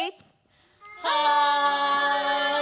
はい！